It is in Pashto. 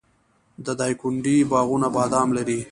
د دایکنډي باغونه بادام لري.